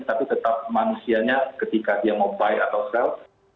tapi tetap manusianya ketika dia mau buy atau sell